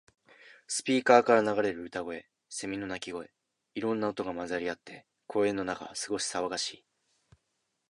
スピーカーから流れる歌声、セミの鳴き声。いろんな音が混ざり合って、公園の中は少し騒がしい。